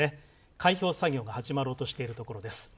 開票作業が始まろうとしているところです。